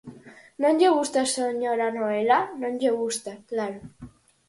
Non lle gusta, señora Noela, non lle gusta, claro.